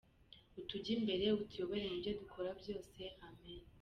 utujye imbere utuyobore mubyo dukora byose Amen".